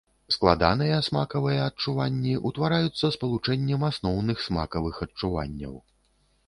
Складаныя смакавыя адчуванні утвараюцца спалучэннем асноўных смакавых адчуванняў.